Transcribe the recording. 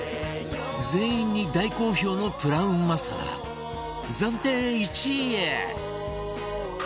全員に大好評のプラウンマサラ暫定１位へ